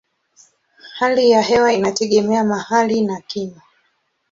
Hali ya hewa inategemea mahali na kimo.